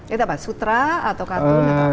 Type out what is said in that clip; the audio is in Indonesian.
itu apa sutra atau katun